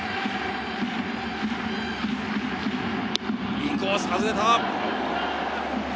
インコース外れた。